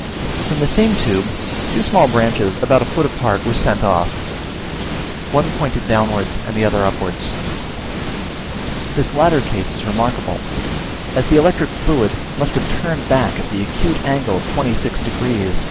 From this same tube, two small branches, about a foot apart, were sent off; one pointed downwards, and the other upwards. This latter case is remarkable, as the electric fluid must have turned back at the acute angle of 26 degs.